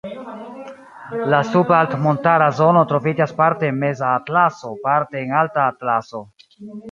La sub-alt-montara zono troviĝas parte en Meza Atlaso, parte en Alta Atlaso.